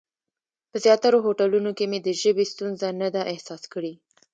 په زیاترو هوټلونو کې مې د ژبې ستونزه نه ده احساس کړې.